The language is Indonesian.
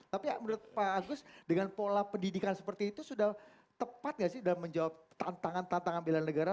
tapi menurut pak agus dengan pola pendidikan seperti itu sudah tepat gak sih dalam menjawab tantangan tantangan bela negara